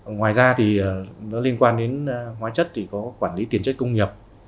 ngoài ra thì nó liên quan đến hóa chất thì có quản lý tiền chất công nghiệp